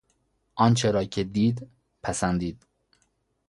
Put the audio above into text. آنچه را که دید، پسندید.